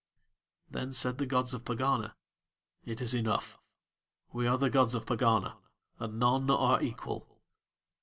Then said the gods of Pegana: "It is enough. We are the gods of Pegana, and none are equal."